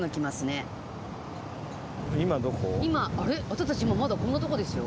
私たち今まだこんなとこですよ。